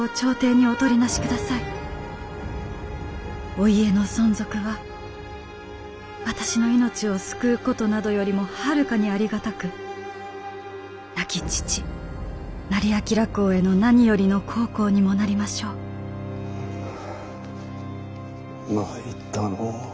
お家の存続は私の命を救うことなどよりもはるかにありがたく亡き父斉彬公への何よりの孝行にもなりましょう」。ははぁ参ったのう。